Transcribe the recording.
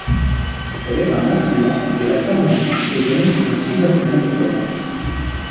Elle est un affluent de la Karnali et donc un sous-affluent du Gange.